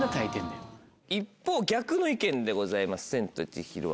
一方逆の意見でございます『千と千尋』は。